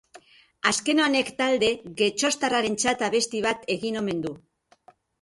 Azken honek talde getxoztarrarentzat abesti bat egin omen du.